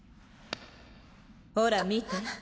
ほら見て。